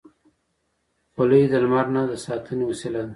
خولۍ د لمر نه د ساتنې وسیله ده.